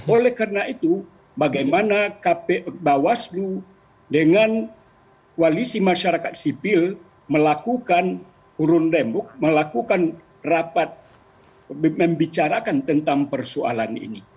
oleh karena itu bagaimana bawaslu dengan koalisi masyarakat sipil melakukan urundemuk melakukan rapat membicarakan tentang persoalan ini